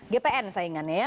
gpn saingannya ya